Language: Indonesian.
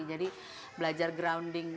jadi belajar grounding